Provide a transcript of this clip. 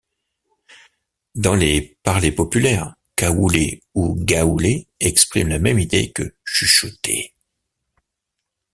Dans les parlers populaires, cahouler ou gahouler, exprime la même idée que chuchoter.